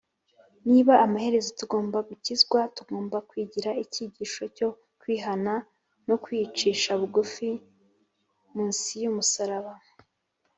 Niba amaherezo tugomba gukizwa, tugomba kwigira icyigisho cyo kwihana no kwicisha bugufi munsi y’umusaraba